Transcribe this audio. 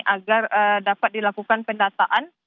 agar dapat dilakukan pendataan